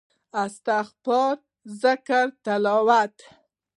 استغفار ذکر تلاوت